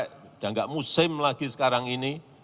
sudah tidak musim lagi sekarang ini